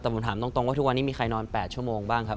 แต่ผมถามตรงว่าทุกวันนี้มีใครนอน๘ชั่วโมงบ้างครับ